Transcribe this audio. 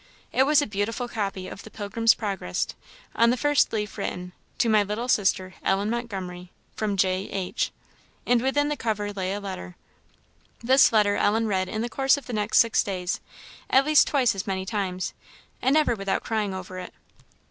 It was a beautiful copy of the Pilgrim's Progress, on the first leaf written, "To my little sister Ellen Montgomery, from J. H.;" and within the cover lay a letter. This letter Ellen read in the course of the next six days, at least twice as many times; and never without crying over it.